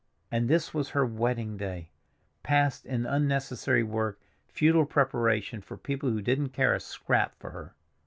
And this was her wedding day, passed in unnecessary work, futile preparation for people who didn't care a scrap for her!